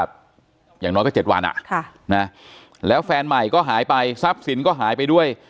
อย่างน้อยก็๗วันแล้วแฟนใหม่ก็หายไปทรัพย์สินก็หายไปด้วย